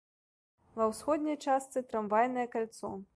Ва ўсходняй частцы трамвайнае кальцо.